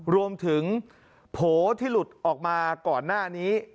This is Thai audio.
รวมถึงโผล่ที่หลุดออกมาก่อนหน้านี้